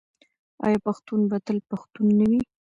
آیا پښتون به تل پښتون نه وي؟